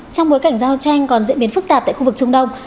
trong bối cảnh giao tranh còn diễn biến phức tạp tại khu vực trung đông